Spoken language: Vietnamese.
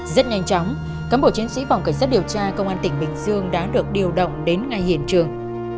rất nhanh chóng cán bộ chiến sĩ phòng cảnh sát điều tra công an tỉnh bình dương đã được điều động đến ngay hiện trường